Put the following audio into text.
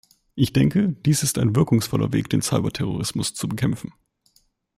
Ich denke, dies ist ein wirkungsvoller Weg, den Cyber-Terrorismus zu bekämpfen.